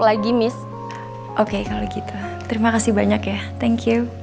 terima kasih banyak ya terima kasih banyak ya buenos senyum